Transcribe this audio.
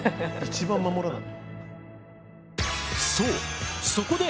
一番守らな。